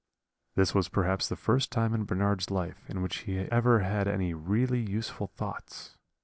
"This was perhaps the first time in Bernard's life in which he ever had any really useful thoughts.